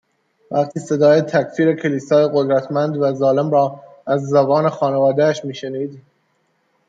وقتی صدای تکفیر کلیسای قدرمتند و ظالم را از زبان خانواده اش می شنید